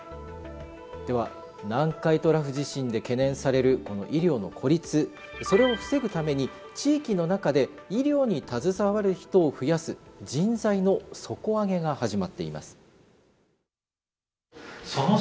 では南海トラフ地震で懸念されるこの医療の孤立それを防ぐために地域の中で医療に携わる人を増やす人材の底上げが始まっています。